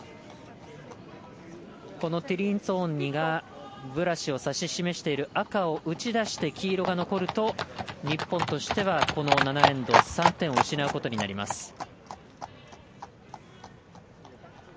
このティリンツォーニがブラシを指し示している赤を打ち出して、黄色が残ると日本としては、この７エンド３点を失うことになります。